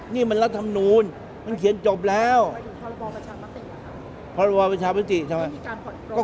นี่มันรัฐธรรมนูญมันเขียนจบแล้วพบประชาปัจจิไม่มีการผ่อนโปรด